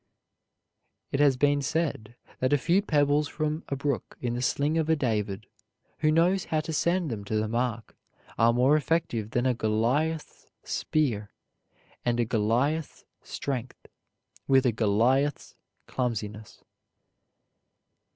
It has been said that a few pebbles from a brook in the sling of a David who knows how to send them to the mark are more effective than a Goliath's spear and a Goliath's strength with a Goliath's clumsiness.